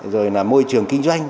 rồi là môi trường kinh doanh